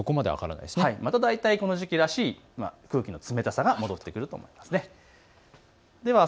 大体、この時期らしい空気の冷たさが戻ってくるということです。